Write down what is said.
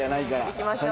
行きましょう。